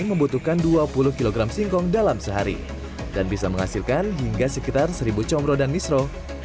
membutuhkan dua puluh kg singkong dalam sehari dan bisa menghasilkan hingga sekitar seribu comro dan misro